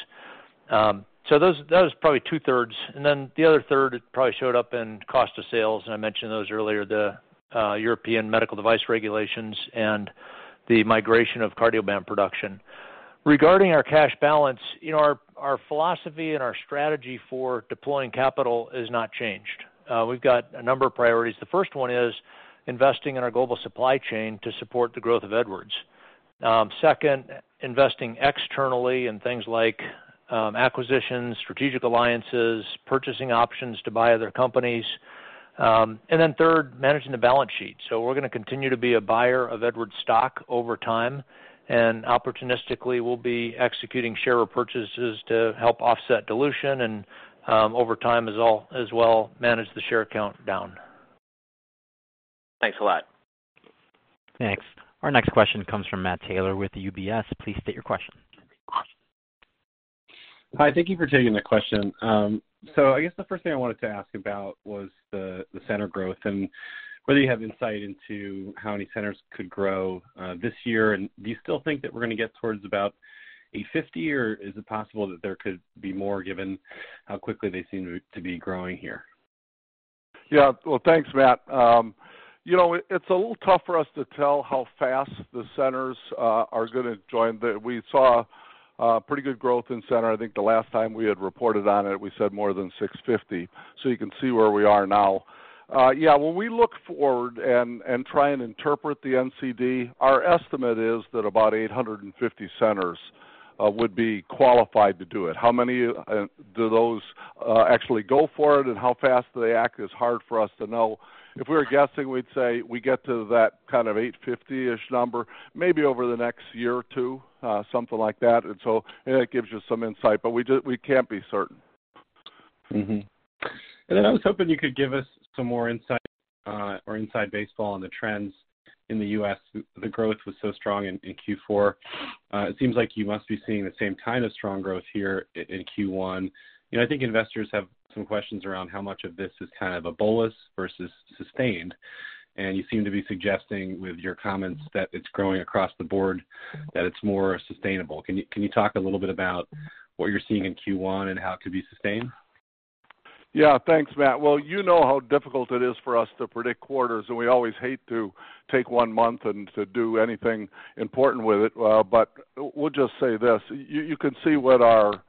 [SPEAKER 4] That was probably two-thirds. The other third probably showed up in cost of sales, and I mentioned those earlier: the European Medical Device Regulations and the migration of Cardioband production. Regarding our cash balance, our philosophy and our strategy for deploying capital have not changed. We've got a number of priorities. The first one is investing in our global supply chain to support the growth of Edwards. Second, investing externally in things like acquisitions, strategic alliances, and purchasing options to buy other companies. Third, managing the balance sheet. We're going to continue to be a buyer of Edwards' stock over time, and opportunistically, we'll be executing share repurchases to help offset dilution and, over time, as well, manage the share count down.
[SPEAKER 11] Thanks a lot.
[SPEAKER 1] Thanks. Our next question comes from Matt Taylor with UBS. Please state your question.
[SPEAKER 12] Hi. Thank you for taking the question. I guess the first thing I wanted to ask about was the center growth and whether you have insight into how many centers could grow this year. Do you still think that we're going to get towards about a 50, or is it possible that there could be more given how quickly they seem to be growing here?
[SPEAKER 3] Well, thanks, Matt. It's a little tough for us to tell how fast the centers are going to join. We saw pretty good growth in the center. I think the last time we had reported on it, we said more than 650. You can see where we are now. When we look forward and try and interpret the NCD, our estimate is that about 850 centers would be qualified to do it. How many of those actually go for it and how fast do they act is hard for us to know. If we were guessing, we'd say we get to that kind of 850-ish number maybe over the next year or two, something like that. That gives you some insight, but we can't be certain.
[SPEAKER 12] I was hoping you could give us some more insight, or inside baseball, on the trends in the U.S. The growth was so strong in Q4. It seems like you must be seeing the same kind of strong growth here in Q1. I think investors have some questions around how much of this is kind of a bolus versus sustained. You seem to be suggesting with your comments that it's growing across the board, that it's more sustainable. Can you talk a little bit about what you're seeing in Q1 and how it could be sustained?
[SPEAKER 3] Yeah. Thanks, Matt. Well, you know how difficult it is for us to predict quarters, and we always hate to take one month and to do anything important with it. We'll just say this. You can see what our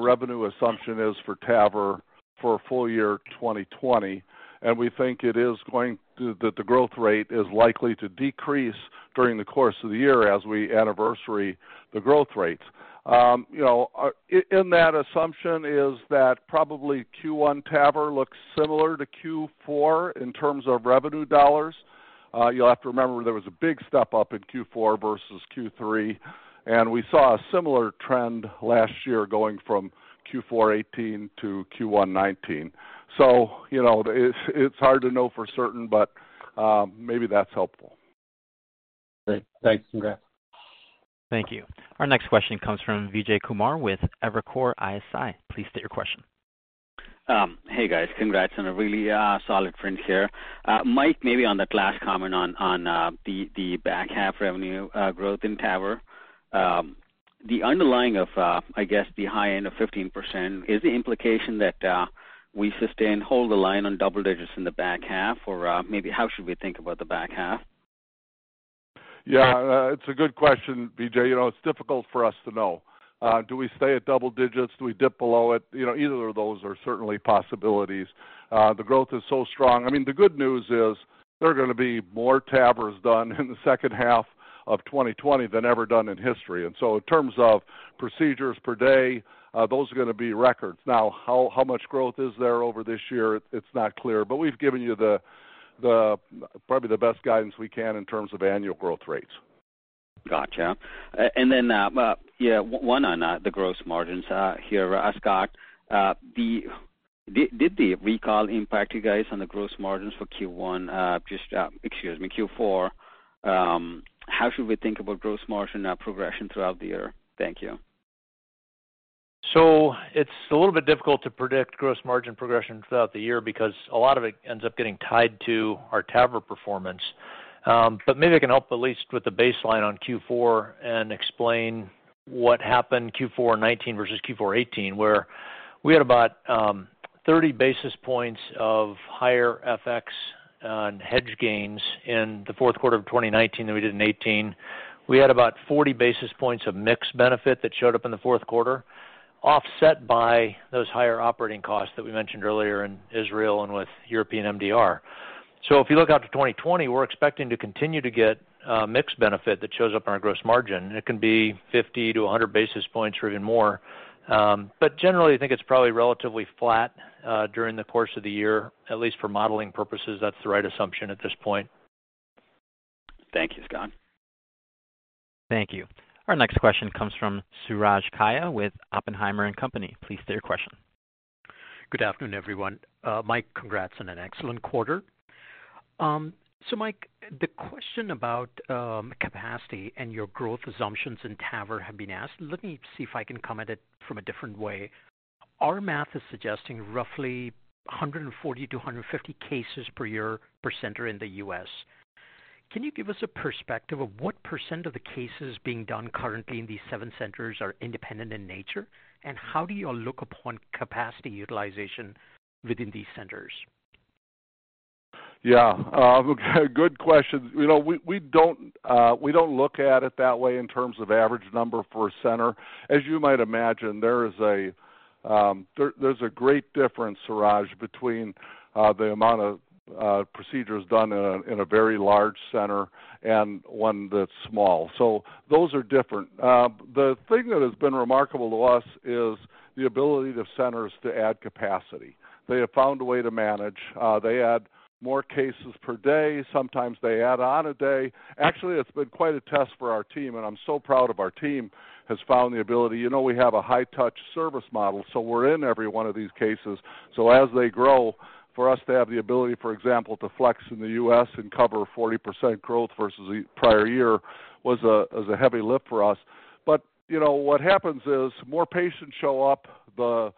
[SPEAKER 3] revenue assumption is for TAVR for the full year 2020, and we think that the growth rate is likely to decrease during the course of the year as we anniversary the growth rates. In that assumption is that probably Q1 TAVR looks similar to Q4 in terms of revenue dollars. You'll have to remember there was a big step-up in Q4 versus Q3, and we saw a similar trend last year going from Q4 2018-Q1 2019. It's hard to know for certain, but maybe that's helpful.
[SPEAKER 12] Great. Thanks. Congrats.
[SPEAKER 1] Thank you. Our next question comes from Vijay Kumar with Evercore ISI. Please state your question.
[SPEAKER 13] Hey, guys. Congrats on a really solid print here. Mike, maybe on that last comment on the back half revenue growth in TAVR, the underlying, I guess, high end of 15% is the implication that we sustain and hold the line on double digits in the back half? Or maybe how should we think about the back half?
[SPEAKER 3] Yeah. It's a good question, Vijay. It's difficult for us to know. Do we stay at double digits? Do we dip below it? Either of those are certainly possibilities. The growth is so strong. The good news is there are going to be more TAVRs done in the second half of 2020 than ever done in history. In terms of procedures per day, those are going to be records. Now, how much growth is there over this year? It's not clear, but we've given you probably the best guidance we can in terms of annual growth rates.
[SPEAKER 13] Gotcha. Focus on the gross margins here. Scott, did the recall impact you guys on the gross margins for Q4? How should we think about gross margin progression throughout the year? Thank you.
[SPEAKER 4] It's a little bit difficult to predict gross margin progression throughout the year because a lot of it ends up getting tied to our TAVR performance. Maybe I can help at least with the baseline in Q4 and explain what happened in Q4 2019 versus Q4 2018, where we had about 30 basis points of higher FX on hedge gains in the fourth quarter of 2019 than we did in 2018. We had about 40 basis points of mix benefit that showed up in the fourth quarter, offset by those higher operating costs that we mentioned earlier in Israel and with European MDR. If you look out to 2020, we're expecting to continue to get a mix benefit that shows up on our gross margin. It can be 50-100 basis points or even more. Generally, I think it's probably relatively flat during the course of the year. At least for modeling purposes, that's the right assumption at this point.
[SPEAKER 13] Thank you, Scott.
[SPEAKER 1] Thank you. Our next question comes from Suraj Kalia with Oppenheimer & Company. Please state your question.
[SPEAKER 14] Good afternoon, everyone. Mike, congrats on an excellent quarter. Mike, the question about capacity and your growth assumptions in TAVR has been asked. Let me see if I can come at it from a different angle. Our math is suggesting roughly 140-150 cases per year per center in the U.S. Can you give us a perspective of what percent of the cases being done currently in these seven centers are independent in nature? How do you look upon capacity utilization within these centers?
[SPEAKER 3] Good question. We don't look at it that way in terms of average number for a center. As you might imagine, there's a great difference, Suraj, between the number of procedures done in a very large center and one that's small. Those are different. The thing that has been remarkable to us is the ability of centers to add capacity. They have found a way to manage. They add more cases per day. Sometimes they add on a day. Actually, it's been quite a test for our team, and I'm so proud of our team, which has found the ability. We have a high-touch service model, so we're in every one of these cases. As they grow, for us to have the ability, for example, to flex in the U.S. and cover 40% growth versus the prior year was a heavy lift for us. What happens is more patients show up. The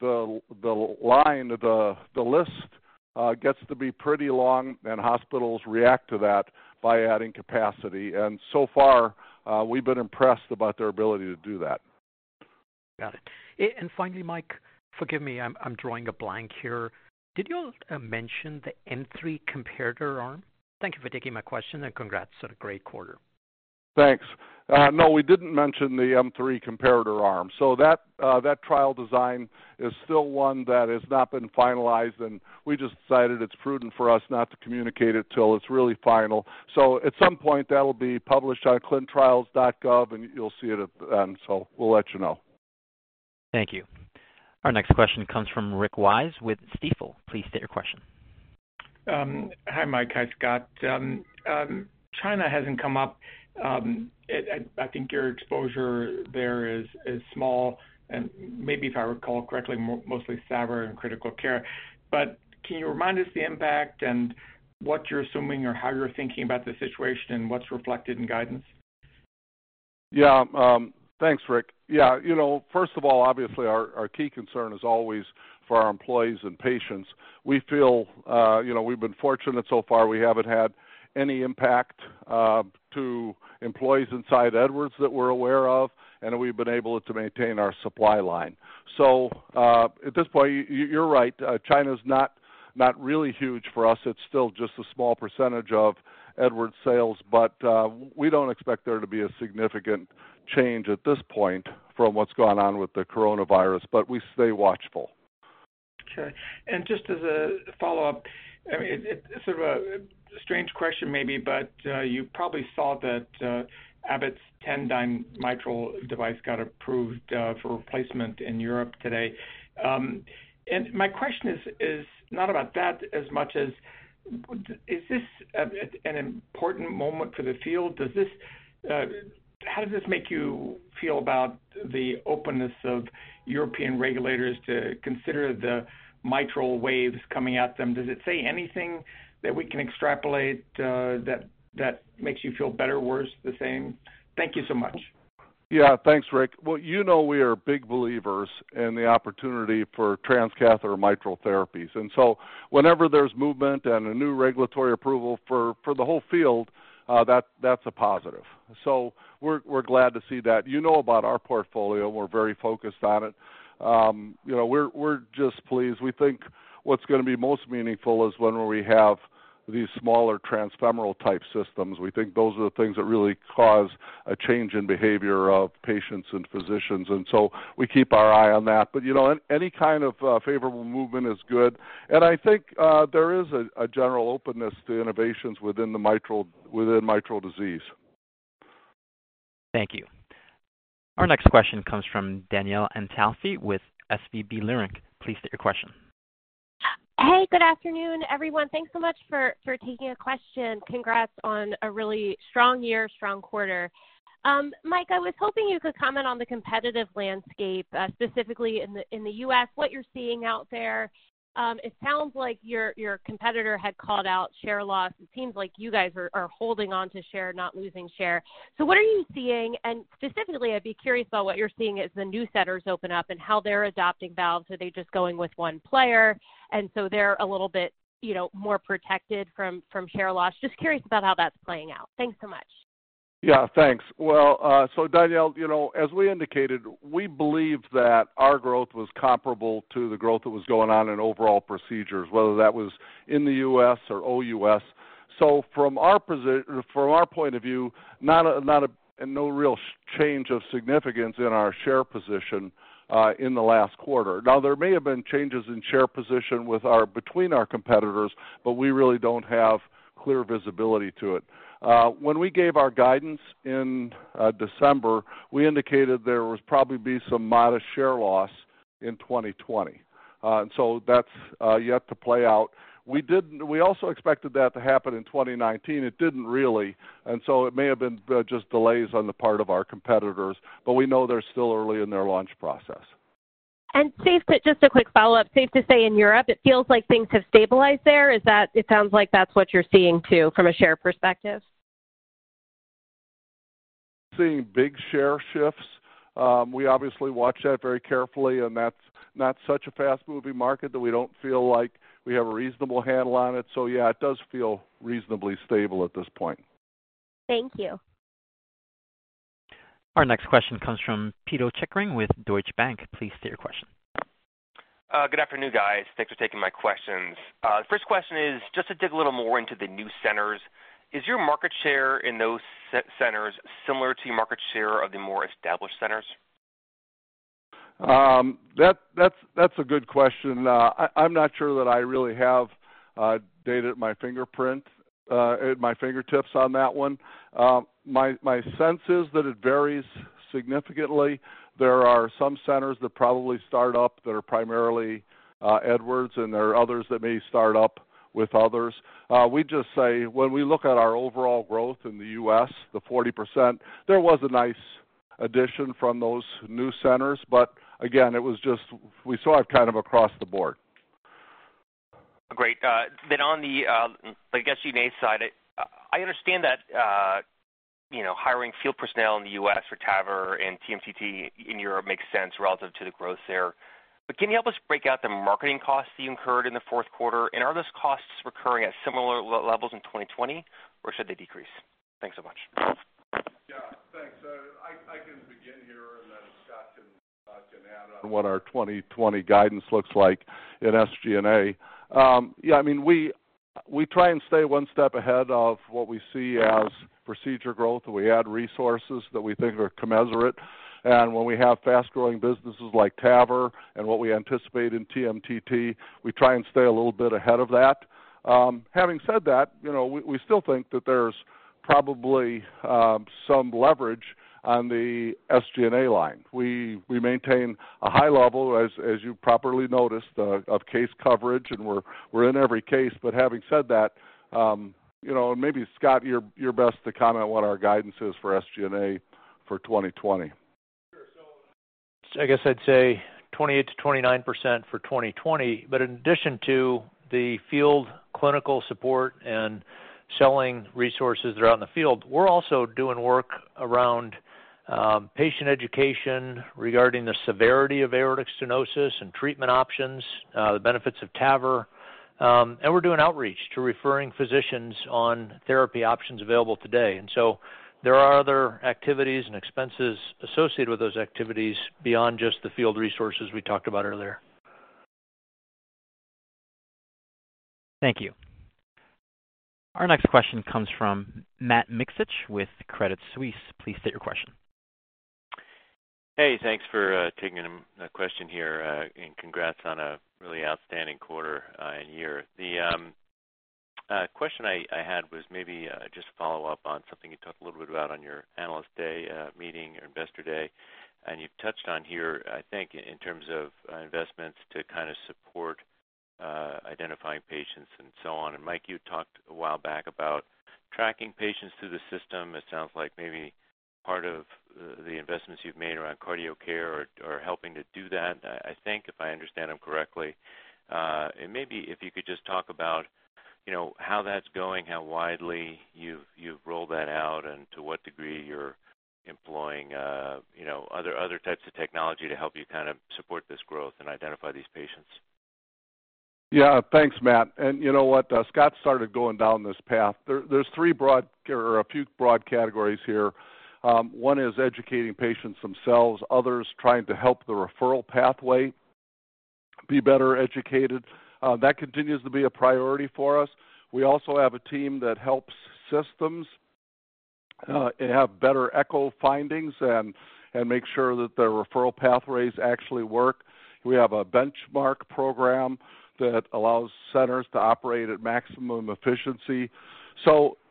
[SPEAKER 3] line, the list, gets to be pretty long, and hospitals react to that by adding capacity. So far, we've been impressed by their ability to do that.
[SPEAKER 14] Got it. Finally, Mike, forgive me; I'm drawing a blank here. Did you all mention the M3 comparator arm? Thank you for taking my question, and congrats on a great quarter.
[SPEAKER 3] Thanks. No, we didn't mention the M3 comparator arm. That trial design is still one that has not been finalized, and we just decided it's prudent for us not to communicate it till it's really final. At some point, that will be published on clinicaltrials.gov, and you'll see it then. We'll let you know.
[SPEAKER 1] Thank you. Our next question comes from Rick Wise with Stifel. Please state your question.
[SPEAKER 15] Hi, Mike. Hi, Scott. China hasn't come up. I think your exposure there is small and maybe, if I recall correctly, mostly SAVR and Critical Care. Can you remind us of the impact and what you're assuming or how you're thinking about the situation and what's reflected in guidance?
[SPEAKER 3] Yeah. Thanks, Rick. First of all, obviously, our key concern is always for our employees and patients. We feel we've been fortunate so far. We haven't had any impact on employees inside Edwards that we're aware of, and we've been able to maintain our supply line. At this point, you're right, China's not really huge for us. It's still just a small percentage of Edwards sales, but we don't expect there to be a significant change at this point from what's gone on with the coronavirus. We stay watchful.
[SPEAKER 15] Okay. Just as a follow-up, sort of a strange question maybe, but you probably saw that Abbott's Tendyne mitral device got approved for replacement in Europe today. My question is not about that as much as, is this an important moment for the field? How does this make you feel about the openness of European regulators to consider the mitral waves coming at them? Does it say anything that we can extrapolate that makes you feel better, worse, or the same? Thank you so much.
[SPEAKER 3] Thanks, Rick. Well, you know we are big believers in the opportunity for transcatheter mitral therapies. Whenever there's movement and a new regulatory approval for the whole field, that's a positive. We're glad to see that. You know about our portfolio. We're very focused on it. We're just pleased. We think what's going to be most meaningful is when we have these smaller transfemoral type systems. We think those are the things that really cause a change in behavior of patients and physicians. We keep our eye on that. Any kind of favorable movement is good. I think there is a general openness to innovations within mitral disease.
[SPEAKER 1] Thank you. Our next question comes from Danielle Antalffy with SVB Leerink. Please state your question.
[SPEAKER 16] Good afternoon, everyone. Thanks so much for taking a question. Congrats on a really strong year and a strong quarter. Mike, I was hoping you could comment on the competitive landscape, specifically in the U.S., what you're seeing out there. It sounds like your competitor had called out share loss. It seems like you guys are holding onto share, not losing share. What are you seeing? Specifically, I'd be curious about what you're seeing as the new centers open up and how they're adopting valves. Are they just going with one player, and so are they a little bit more protected from share loss? Curious about how that's playing out. Thanks so much.
[SPEAKER 3] Thanks. Danielle, as we indicated, we believe that our growth was comparable to the growth that was going on in overall procedures, whether that was in the U.S. or OUS. From our point of view, no real change of significance in our share position in the last quarter. There may have been changes in share position between our competitors; we really don't have clear visibility to it. When we gave our guidance in December, we indicated there would probably be some modest share loss in 2020. That's yet to play out. We also expected that to happen in 2019. It didn't really. It may have been just delays on the part of our competitors; we know they're still early in their launch process.
[SPEAKER 16] Just a quick follow-up: safe to say in Europe, it feels like things have stabilized there? It sounds like that's what you're seeing, too, from a shared perspective.
[SPEAKER 3] Seeing big share shifts. We obviously watch that very carefully. That's not such a fast-moving market that we don't feel like we have a reasonable handle on it. Yeah, it does feel reasonably stable at this point.
[SPEAKER 16] Thank you.
[SPEAKER 1] Our next question comes from Pito Chickering with Deutsche Bank. Please state your question.
[SPEAKER 17] Good afternoon, guys. Thanks for taking my questions. First question is just to dig a little more into the new centers. Is your market share in those centers similar to your market share of the more established centers?
[SPEAKER 3] That's a good question. I'm not sure that I really have data at my fingertips on that one. My sense is that it varies significantly. There are some centers that probably start up that are primarily Edwards, and there are others that may start up with others. We just say when we look at our overall growth in the U.S., the 40%, there was a nice addition from those new centers, but again, we saw it kind of across the board.
[SPEAKER 17] Great. On the SG&A side, I understand that hiring field personnel in the U.S. for TAVR and TMTT in Europe makes sense relative to the growth there. Can you help us break out the marketing costs you incurred in the fourth quarter? Are those costs recurring at similar levels in 2020, or should they decrease? Thanks so much.
[SPEAKER 3] Yeah, thanks. I can begin here, and then Scott can add on what our 2020 guidance looks like in SG&A. We try to stay one step ahead of what we see as procedure growth, and we add resources that we think are commensurate. When we have fast-growing businesses like TAVR and what we anticipate in TMTT, we try and stay a little bit ahead of that. Having said that, we still think that there's probably some leverage on the SG&A line. We maintain a high level, as you properly noticed, of case coverage, and we're in every case. Having said that, maybe Scott, you're best to comment on what our guidance is for SG&A for 2020.
[SPEAKER 4] Sure. I guess I'd say 28%-29% for 2020. In addition to the clinical support and selling resources that are out in the field, we're also doing work around patient education regarding the severity of aortic stenosis and treatment options, the benefits of TAVR. We're doing outreach to referring physicians on therapy options available today. There are other activities and expenses associated with those activities beyond just the field resources we talked about earlier.
[SPEAKER 1] Thank you. Our next question comes from Matt Miksic with Credit Suisse. Please state your question.
[SPEAKER 18] Hey, thanks for taking a question here, and congrats on a really outstanding quarter and year. The question I had was maybe just to follow up on something you talked a little bit about on your Analyst Day meeting and your Investor Day, and you've touched on here, I think, in terms of investments to kind of support identifying patients and so on. Mike, you talked a while back about tracking patients through the system. It sounds like maybe part of the investments you've made around CardioCare are helping to do that, I think, if I understand them correctly. Maybe if you could just talk about how that's going, how widely you've rolled that out, and to what degree you're employing other types of technology to help you kind of support this growth and identify these patients.
[SPEAKER 3] Yeah. Thanks, Matt. You know what? Scott started going down this path. There are a few broad categories here. One is educating patients themselves; others are trying to help the referral pathway be better educated. That continues to be a priority for us. We also have a team that helps systems have better echo findings and make sure that their referral pathways actually work. We have a benchmark program that allows centers to operate at maximum efficiency.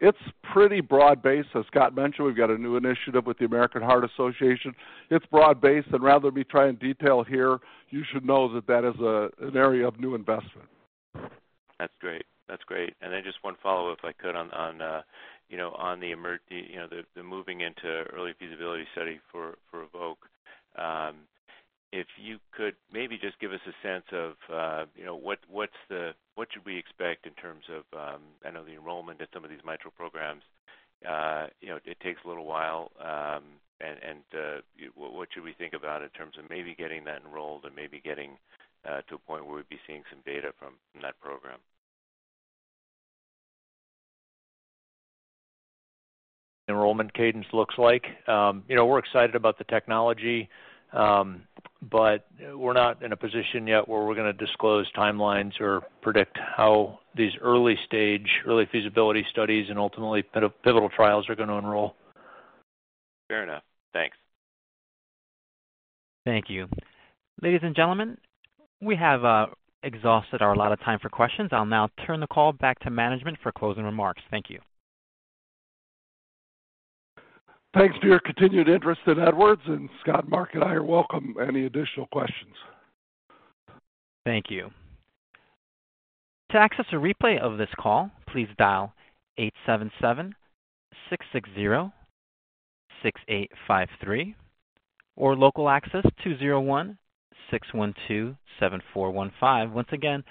[SPEAKER 3] It's pretty broad-based. As Scott mentioned, we've got a new initiative with the American Heart Association. It's broad-based; rather than me trying to detail it here, you should know that that is an area of new investment.
[SPEAKER 18] That's great. Just one follow-up, if I could, on the moving into early feasibility study for EVOQUE. If you could maybe just give us a sense of what we should expect in terms of the enrollment at some of these M.I.T. programs. It takes a little while, and what should we think about in terms of maybe getting that enrolled and maybe getting to a point where we'd be seeing some data from that program?
[SPEAKER 4] Enrollment cadence looks like. We're excited about the technology, but we're not in a position yet where we're going to disclose timelines or predict how these early stage, early feasibility studies and ultimately pivotal trials are going to enroll.
[SPEAKER 18] Fair enough. Thanks.
[SPEAKER 1] Thank you. Ladies and gentlemen, we have exhausted our allotted time for questions. I'll now turn the call back to management for closing remarks. Thank you.
[SPEAKER 3] Thanks for your continued interest in Edwards, and Scott, Mark, and I welcome any additional questions.
[SPEAKER 1] Thank you. To access a replay of this call, please dial 877-660-6853 or local access 201-612-7415. Once again,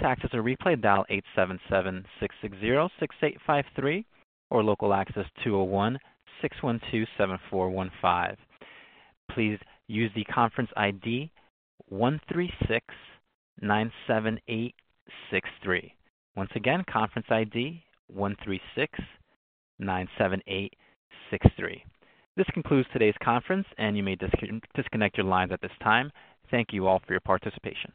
[SPEAKER 1] to access a replay, dial 877-660-6853 or local access 201-612-7415. Please use the conference ID 13697863. Once again, conference ID 13697863. This concludes today's conference, and you may disconnect your lines at this time. Thank you all for your participation.